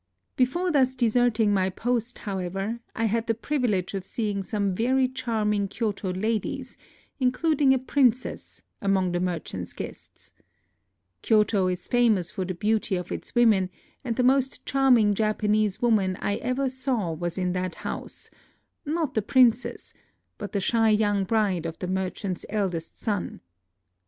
Before thus deserting my post, however, I had the privilege of seeing some very charming Kyoto ladies, including a princess, among the merchant's guests* Kyoto is famous for the beauty of its wo men ; and the most charming Japanese woman I ever saw was in that house, — not the prin cess, but the shy young bride of the mer chant's eldest son.